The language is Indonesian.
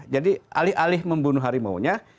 jadi alih alih membunuh harimaunya